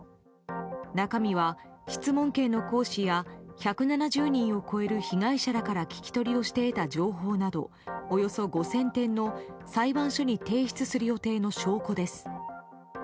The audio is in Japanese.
中身は質問権の行使や１７０人を超える被害者らから聞き取りをして得た情報などおよそ５０００点の裁判所に提出する予定の証拠です。